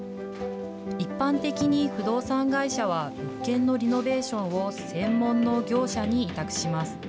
一般的に不動産会社は、物件のリノベーションを専門の業者に委託します。